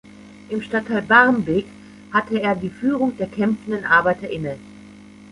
Im Stadtteil Barmbek hatte er die Führung der kämpfenden Arbeiter inne.